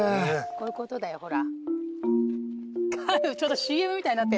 こういうことだよほら。